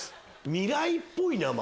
未来っぽい名前？